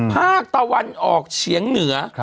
ภาคตะวันออกเฉียงเหนือ